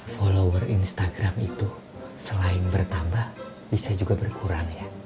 follower instagram itu selain bertambah bisa juga berkurang ya